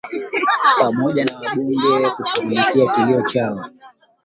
pamoja na wabunge kushughulikia kilio chao